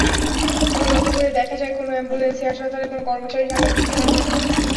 তদন্ত করে দেখা যায়, কোনো অ্যাম্বুলেন্সই হাসপাতালের কোনো কর্মচারীর নামে কেনা হয়নি।